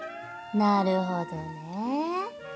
なるほどねぇ。